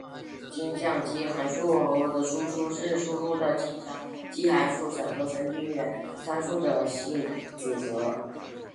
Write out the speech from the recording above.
径向基函数网络的输出是输入的径向基函数和神经元参数的线性组合。